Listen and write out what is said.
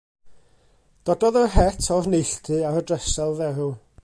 Dododd yr het o'r neilltu ar y dresel dderw.